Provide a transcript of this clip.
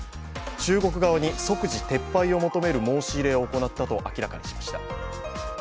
中国側に即時撤廃を求める申し入れを行ったと明らかにしました。